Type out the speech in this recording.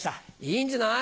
いいんじゃない。